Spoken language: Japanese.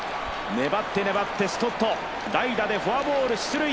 粘って粘ってストット、代打でフォアボール出塁。